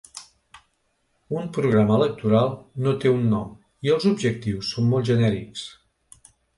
Un programa electoral no té un nom, i els objectius són molt genèrics.